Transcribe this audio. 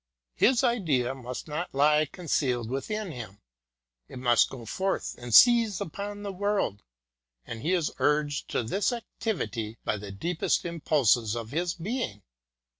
His Idea must not lie concealed within him ; it must go forth and seize upon the world, and he is urged to this activity by the deepest impulses of his being.